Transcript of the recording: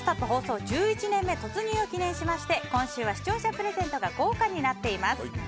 放送１１年目突入を記念しまして今週は視聴者プレゼントが豪華になっています。